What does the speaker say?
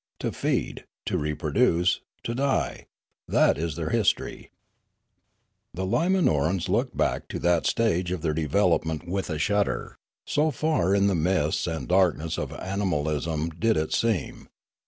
To feed, to reproduce, to die, that is their history. The Limanorans looked back to that stage of their development with a shudder, so far in the mists and darkness of animalism did it seem.